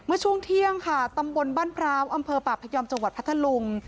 ช่วงเที่ยงค่ะตำบลบ้านพร้าวอำเภอป่าพยอมจังหวัดพัทธลุง